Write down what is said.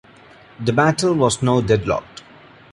The battle was now deadlocked.